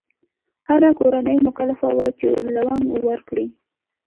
هره کورنۍ مکلفه وه چې لونګ ورکړي.